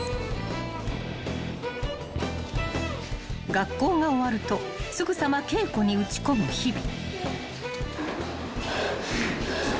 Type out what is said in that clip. ［学校が終わるとすぐさま稽古に打ち込む日々］